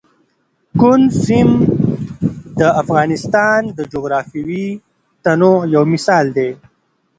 کندز سیند د افغانستان د جغرافیوي تنوع یو مثال دی.